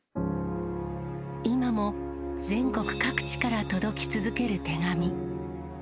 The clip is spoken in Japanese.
今も全国各地から届き続ける手紙。